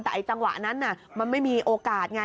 แต่ไอจังหวะนั้นมันไม่มีโอกาสไง